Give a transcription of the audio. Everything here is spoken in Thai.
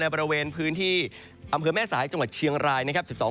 บริเวณพื้นที่อำเภอแม่สายจังหวัดเชียงรายนะครับ